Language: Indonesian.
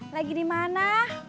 lagi di mana